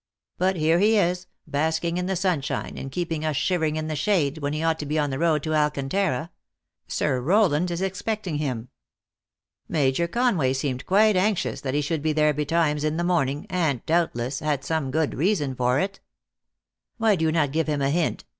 " But here he is, basking in the sun shine, and keeping us shivering in the shade, when he ought to be on the road to Alcantara. Sir Rowland is expecting him. Major Conway seemed quite an xious that he should be there betimes in the morning, and, doubtless, had some good reason for it. "Why do you not give him a hint?"